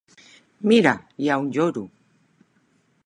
Mira, hi ha un lloro.